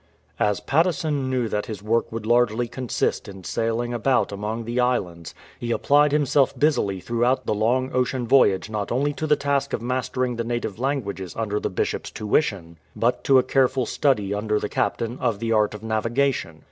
As Patteson knew that his work would largely consist in sailing about among the islands, he applied himself busily throughout the long ocean voyage not only to the task of mastering the native languages under the Bishop's tuition, but to a careful study under the captain of the 275 PATTESON AS SKIPPER art of navigation.